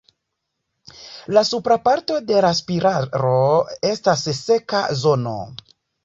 La supra parto de la spiralo estas seka zono.